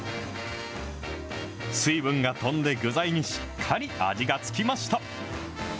水分が飛んで具材にしっかり味が付きました。